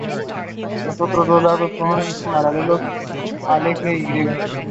Eisaku would rebound from these losses by winning his next five fights.